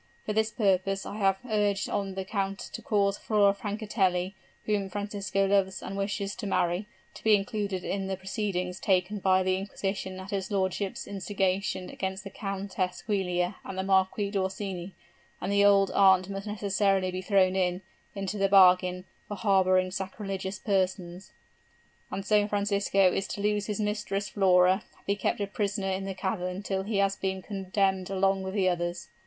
For this purpose I have urged on the count to cause Flora Francatelli, whom Francisco loves and wishes to marry, to be included in the proceedings taken by the inquisition at his lordship's instigation against the Countess Giulia and the Marquis d'Orsini; and the old aunt must necessarily be thrown in, into the bargain, for harboring sacrilegious persons.' 'And so young Francisco is to lose his mistress, Flora, and be kept a prisoner in the cavern till he has been condemned along with the others?'